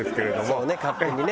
そうね勝手にね。